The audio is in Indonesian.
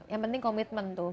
yang penting komitmen tuh